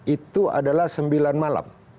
itu adalah sembilan malam